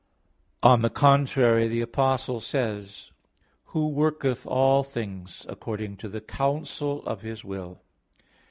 On the contrary, The Apostle says (Eph. 1:11): "Who worketh all things according to the counsel of His will."